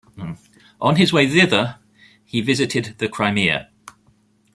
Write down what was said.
On his way thither he visited the Crimea.